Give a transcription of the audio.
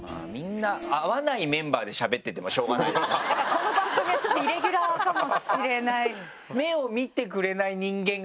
この番組はちょっとイレギュラーかもしれない。